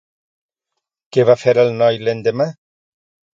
Què va fer el noi l'endemà?